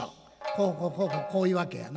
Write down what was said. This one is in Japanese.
「こうこうこうこうこういうわけやな。